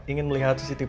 ingin melihat cctv